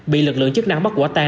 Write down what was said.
bị lực lượng chức năng bắt quả tài